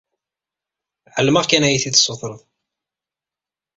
Ɛelmeɣ kan ad yi-t-id-tessutreḍ.